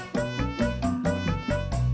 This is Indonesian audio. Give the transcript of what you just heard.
bur cang ijo